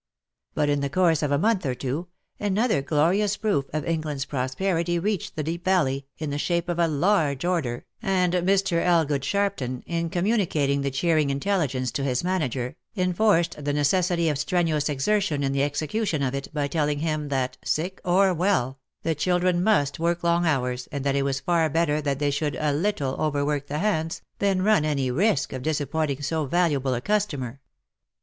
But in the course of a month or two, another glorious proof of England's prosperity reached the Deep Valley, in the shape of a large order, and Mr. Elgood Sharpton, in communicating the cheering intelligence to his manager, enforced the necessity of strenuous exertion in the execution of it, by telling him that, sick or well, the children must work long hours, and that it was far better that they should a little overwork the hands, than run any risk of disappointing so valuable a customer.